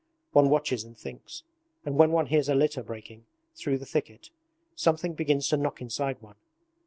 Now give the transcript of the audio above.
One watches and thinks. And when one hears a litter breaking through the thicket, something begins to knock inside one.